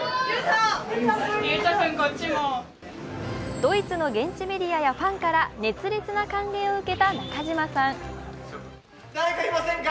ドイツの現地メディアやファンから熱烈な歓迎を受けた中島さん。